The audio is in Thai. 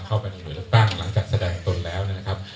เข้าไปในหน่วยเลือกตั้งหลังจากแสดงตนแล้วนะครับ